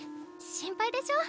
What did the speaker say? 心配でしょ？